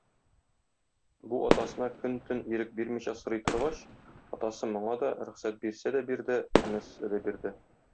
Бу атасына көн-төн ирек бирмичә сорый торгач, атасы моңа да рөхсәт бирсә дә бирде, бирмәсә дә бирде.